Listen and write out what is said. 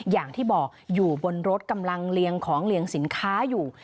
อย่างที่บอกอยู่บนรถกำลังเรียงของเรียงสินค้าอยู่